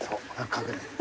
書くね。